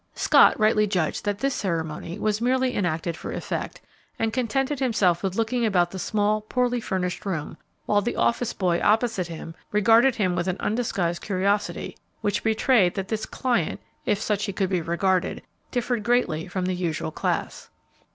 Scott rightly judged that this ceremony was merely enacted for effect, and contented himself with looking about the small, poorly furnished room, while the office boy opposite regarded him with an undisguised curiosity, which betrayed that this client if such he could be regarded differed greatly from the usual class.